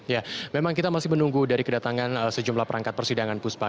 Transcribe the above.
ya memang kita masih menunggu dari kedatangan sejumlah perangkat persidangan puspa